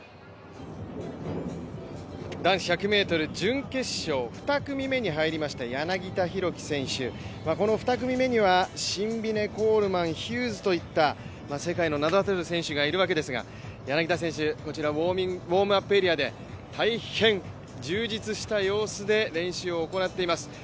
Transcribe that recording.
男子１００ｍ準決勝、２組目に入りました柳田大輝選手、この２組目にはシンビネ、コールマン、ヒューズといった世界の名だたる選手がいるわけですが柳田選手、こちらウォームアップエリアで大変充実した様子で練習を行っています。